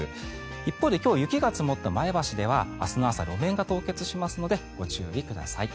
一方で今日、雪が積もった前橋では明日の朝、路面が凍結しますのでご注意ください。